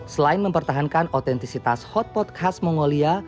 selain mempertahankan otentisitas hotpot khas mongolia